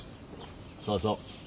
そうそう。